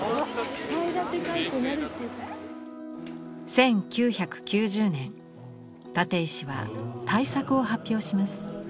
１９９０年立石は大作を発表します。